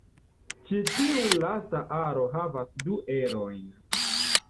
Ĉi tiu lasta aro havas du erojn.